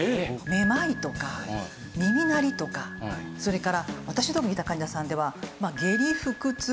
めまいとか耳鳴りとかそれから私どもが見た患者さんでは下痢・腹痛と。